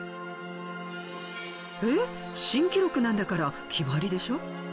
新記録なんだから決まりでしょ？